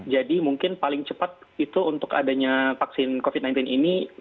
jadi mungkin paling cepat itu untuk adanya vaksin covid sembilan belas ini